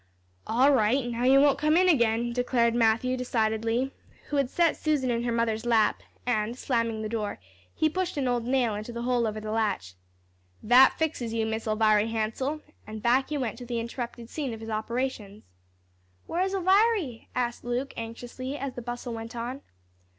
"All right. Now you won't come in again," declared Matthew, decidedly, who had set Susan in her mother's lap, and slamming the door, he pushed an old nail into the hole over the latch. "That fixes you, Miss Elviry Hansell," and back he went to the interrupted scene of his operations. "Where's Elviry?" asked Luke, anxiously, as the bustle went on.